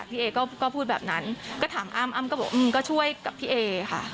พี่เอก็พูดแบบนั้นก็ถามอ้ำอ้ำก็บอกก็ช่วยกับพี่เอค่ะ